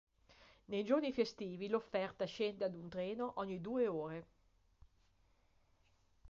Nei giorni festivi l'offerta scende ad un treno ogni due ore.